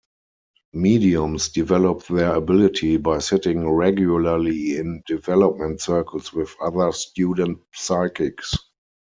Mediums develop their ability by sitting regularly in "development circles" with other student psychics.